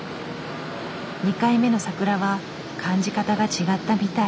２回目の桜は感じ方が違ったみたい。